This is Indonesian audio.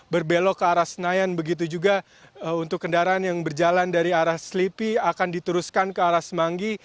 berbelok ke arah senayan begitu juga untuk kendaraan yang berjalan dari arah selipi akan diteruskan ke arah semanggi